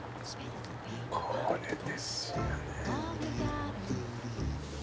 これですよね。